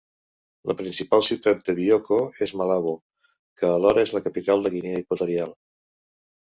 La principal ciutat de Bioko és Malabo, que alhora és la capital de Guinea Equatorial.